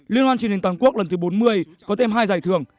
liên hoan truyền hình toàn quốc lần thứ bốn mươi có thêm hai giải thưởng